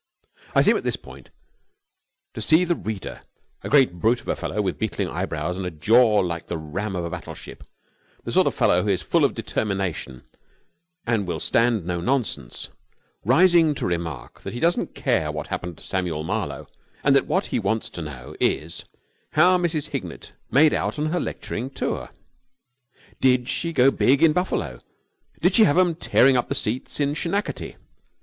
I seem at this point to see the reader a great brute of a fellow with beetling eyebrows and a jaw like the ram of a battleship, the sort of fellow who is full of determination and will stand no nonsense rising to remark that he doesn't care what happened to Samuel Marlowe and that what he wants to know is, how Mrs. Hignett made out on her lecturing tour. Did she go big in Buffalo? Did she have 'em tearing up the seats in Schenectady?